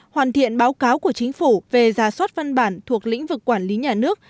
hoàn thiện báo cáo của chính phủ về ra soát văn bản thuộc lĩnh vực quản lý nhà nước